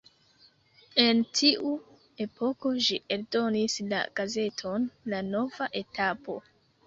En tiu epoko ĝi eldonis la gazeton La Nova Etapo.